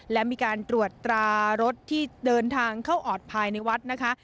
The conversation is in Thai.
และมีการตรวจตรารถที่เดินทางเข้าออดภายในวัดนะคะ